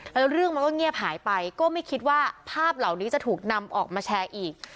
แล้วเรื่องมันก็เงียบหายไปก็ไม่คิดว่าภาพเหล่านี้จะถูกนำออกมาแชร์อีก